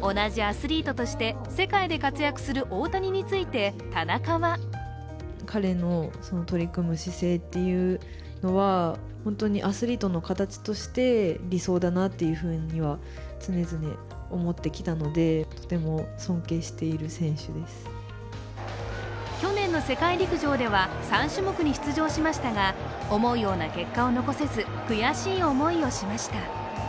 同じアスリートとして世界で活躍する大谷について田中は去年の世界陸上では３種目に出場しましたが思うような結果を残せず悔しい思いをしました。